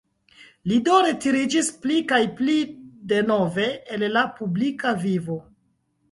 Li do retiriĝis pli kaj pli denove el la publika vivo.